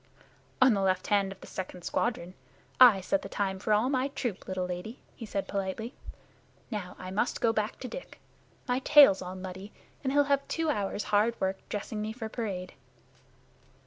"On the left hand of the second squadron. I set the time for all my troop, little lady," he said politely. "Now I must go back to Dick. My tail's all muddy, and he'll have two hours' hard work dressing me for parade."